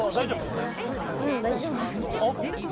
うん、大丈夫です。